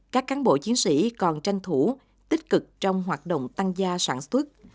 các cán bộ chiến sĩ còn tranh thủ tích cực trong hoạt động tăng gia sản xuất